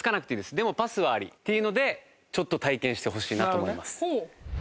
でもパスはありっていうのでちょっと体験してほしいなと思います。